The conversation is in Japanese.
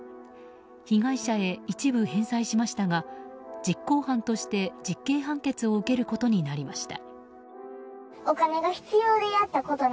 被害者へ一部返済しましたが実行犯として実刑判決を受けることになりました。